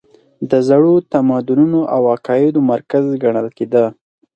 د زړو تمدنونو او عقایدو مرکز ګڼل کېده.